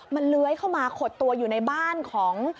มันเลื้อยเข้ามาขดตัวอยู่ในบ้านของ